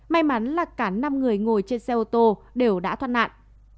may mắn là cả năm người ngồi trên xe ô tô đều đã thoát nạn